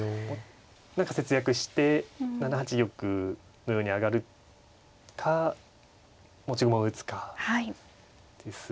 何か節約して７八玉のように上がるか持ち駒を打つかですが。